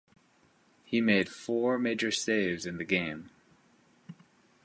He made four major saves in the game.